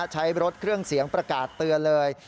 ใช้รถเครื่องเสียงประกาศเตือนเลย